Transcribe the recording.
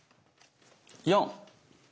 ４！